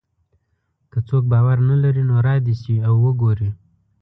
که څوک باور نه لري نو را دې شي او وګوري.